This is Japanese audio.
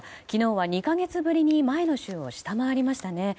昨日は２か月ぶりに前の週を下回りましたね。